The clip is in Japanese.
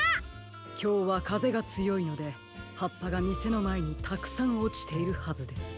きょうはかぜがつよいのではっぱがみせのまえにたくさんおちているはずです。